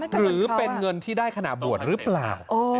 หรือเป็นเงินที่ได้ขณะบวชหรือเปล่า